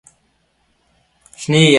But it was legal in Russia.